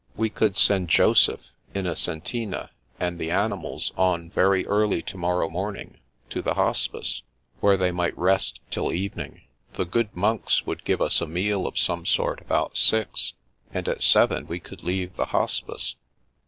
We could send Joseph, Innocentina, and the animals on very early to morrow morning, to the Hospice, where they might rest till evening. The good monks would give us a meal of some sort about six, and at seven we could leave the Hospice.